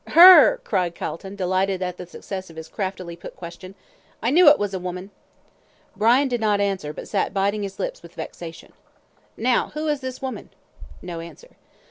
"Her," cried Calton, delighted at the success of his craftily put question. "I knew it was a woman." Brian did not answer, but sat biting his lips with vexation. "Now, who is this woman?" No answer.